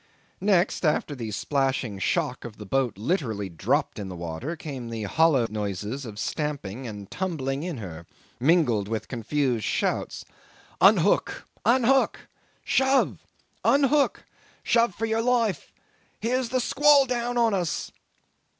Next, after the splashing shock of the boat literally dropped in the water, came the hollow noises of stamping and tumbling in her, mingled with confused shouts: "Unhook! Unhook! Shove! Unhook! Shove for your life! Here's the squall down on us.